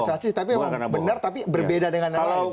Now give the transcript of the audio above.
bukan karena insafisasi tapi benar tapi berbeda dengan yang lain